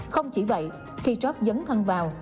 không chỉ vậy khi job dấn thân vào